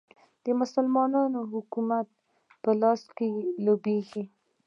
د مسلمانانو حکومت په لاس کې لوبیږي.